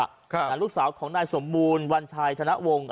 ลูกสาวของนายสมบูรณ์วัญชัยธนวง